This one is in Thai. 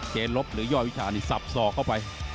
เจนลบหรือย่อยวิชาสับสอบเข้าไป